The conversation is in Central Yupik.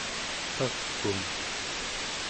pag'um